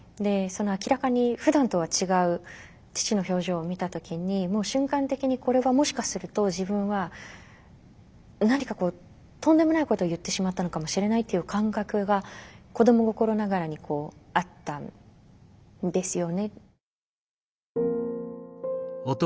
明らかにふだんとは違う父の表情を見た時にもう瞬間的にこれはもしかすると自分は何かとんでもないことを言ってしまったのかもしれないという感覚が子ども心ながらにあったんですよね。